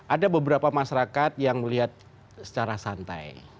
ada beberapa masyarakat yang melihat secara santai